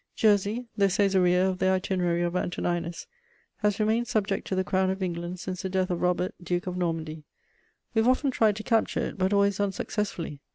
Jersey, the Cæsarea of the Itinerary of Antoninus, has remained subject to the Crown of England since the death of Robert, Duke of Normandy; we have often tried to capture it, but always unsuccessfully.